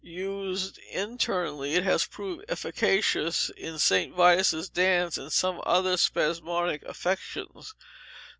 Used internally, it has proved efficacious in St. Vitus's dance, and some other spasmodic affections.